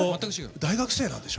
大学生なんでしょ？